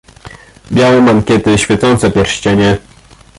"Białe mankiety, świecące pierścienie."